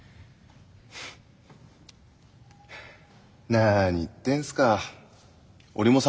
なに言ってんすか。